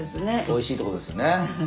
おいしいってことですよね。